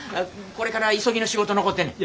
これから急ぎの仕事残ってんねん。